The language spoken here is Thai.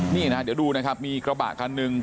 นี่นะเดี๋ยวดูนะครับมีกระบะคันหนึ่ง